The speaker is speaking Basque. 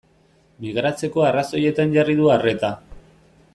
Migratzeko arrazoietan jarri du arreta.